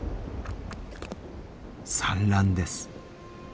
産卵です。